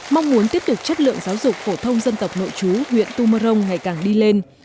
mong muốn tiếp tục chất lượng giáo dục phổ thông dân tộc nội chú huyện tu mơ rông ngày càng đi lên